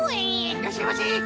いらっしゃいませ。